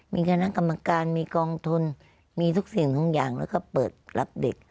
มีคณะกรรมการมีกองทุนมีทุกสิ่งทุกอย่างแล้วก็เปิดรับเด็ก